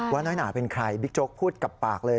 ว่าน้อยหนาเป็นใครบิ๊กโจ๊กพูดกับปากเลย